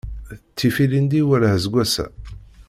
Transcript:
Ttif ilindi wala aseggas-a.